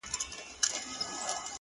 په موږ کي بند دی،